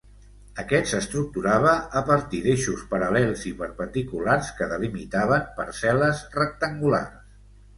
Aquest s'estructurava a partir d'eixos paral·lels i perpendiculars que delimitaven parcel·les rectangulars.